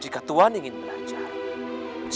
jika tuhan ingin belajar